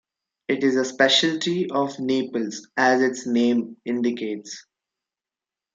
It is a speciality of Naples, as its name indicates.